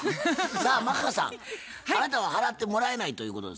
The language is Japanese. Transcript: さあマッハさんあなたは払ってもらえないということですが？